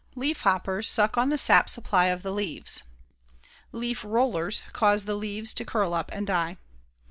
Leaf hoppers suck on the sap supply of the leaves. Leaf rollers cause the leaves to curl up and die.